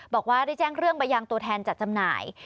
บอกว่าได้แจ้งเรื่องไปยังตัวแทนจัดจำหน่าย